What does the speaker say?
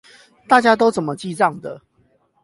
大家都怎麼記帳